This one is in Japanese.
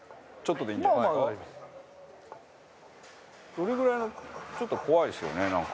どれぐらいのちょっと怖いですよねなんか。